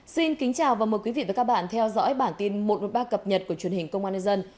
xin kính chào và mời quý vị và các bạn theo dõi bản tin một trăm một mươi ba cập nhật của truyền hình công an nhân dân